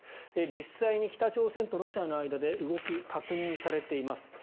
実際に北朝鮮とロシアの間で動きが確認されています。